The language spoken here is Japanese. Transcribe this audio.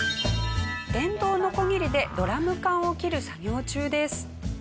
電動ノコギリでドラム缶を切る作業中です。